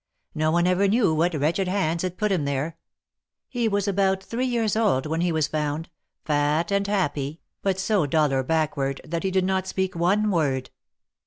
No one ever knew what w'retched hands had put him there; he was about three years old when he was found — fat and happy, but so dull or backw'ard that he did not speak one word.